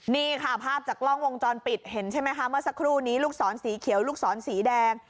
นี่ค่ะภาพจากกล้องวงจรปิดเห็นใช่ไหมคะเมื่อสักครู่นี้ลูกศรสีเขียวลูกศรสีแดง